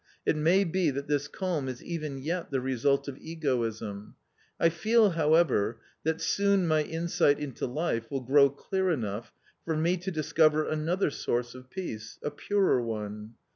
It may be that this calm is even yet tne result of egoism ; I feel, however, that soon my insight into life will grow clear enough for me to discover another source of peace — a purer one.